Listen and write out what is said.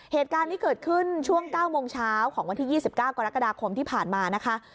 เหตุการณ์ที่เกิดขึ้นช่วงเก้าโมงเช้าของวันที่ยี่สิบเก้ากรกฎาคมที่ผ่านมานะคะ